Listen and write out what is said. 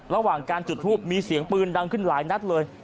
ระหว่างการจุดทูปมีเสียงปืนดังขึ้นหลายนัดเลย